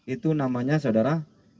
itu namanya saudara